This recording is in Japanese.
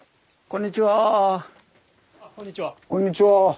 こんにちは。